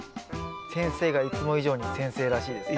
先生がいつも以上に先生らしいです。